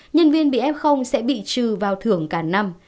nhân viên bị f sẽ bị trừ vào thưởng cả năm